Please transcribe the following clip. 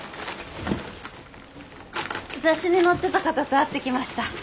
雑誌に載ってた方と会ってきました。